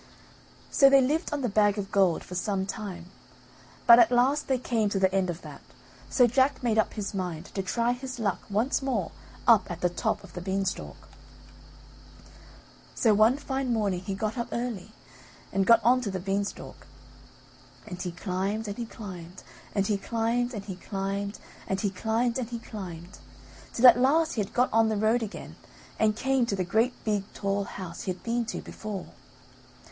So they lived on the bag of gold for some time, but at last they came to the end of that so Jack made up his mind to try his luck once more up at the top of the beanstalk. So one fine morning he got up early, and got on to the beanstalk, and he climbed and he climbed and he climbed and he climbed and he climbed and he climbed till at last he got on the road again and came to the great big tall house he had been to before.